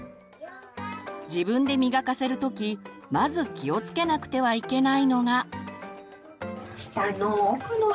自分で磨かせるときまず気をつけなくてはいけないのが。